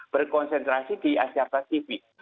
berkonsentrasi di asia pasifik